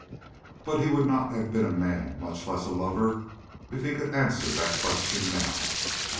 But he would not have been a man, much less a lover, if he could answer that question now.